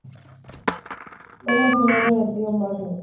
Toma su nombre del río Marne, que atraviesa su territorio.